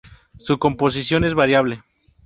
Su composición es variable.